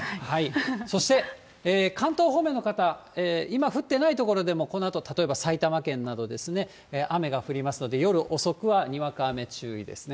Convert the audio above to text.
そして、関東方面の方、今降ってない所でも、このあと例えば埼玉県などですね、雨が降りますので、夜遅くはにわか雨注意ですね。